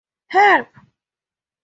Help